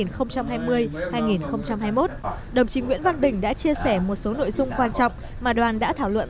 đồng chí nguyễn văn bình đã chia sẻ một số nội dung quan trọng mà đoàn đã thảo luận